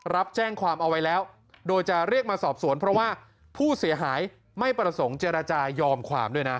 รับแจ้งความเอาไว้แล้วโดยจะเรียกมาสอบสวนเพราะว่าผู้เสียหายไม่ประสงค์เจรจายอมความด้วยนะ